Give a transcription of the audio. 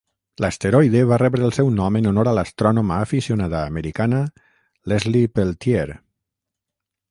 L'asteroide va rebre el seu nom en honor a l'astrònoma aficionada americana Leslie Peltier.